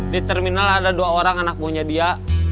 di terminal ada dua orang anak buahnya dia